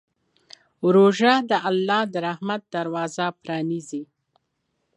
روژه د الله د رحمت دروازه پرانیزي.